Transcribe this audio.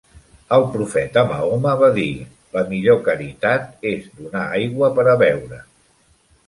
El profeta Mahoma va dir "La millor caritat és donar aigua per a beure".